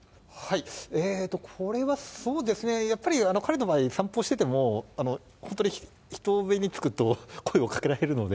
これはそうですね、やっぱり彼の場合、散歩してても、本当に人目につくと声をかけられるので。